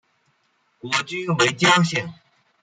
国君为姜姓。